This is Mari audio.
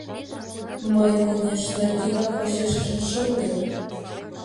Мый, конешне, вигак почешыже шым лек.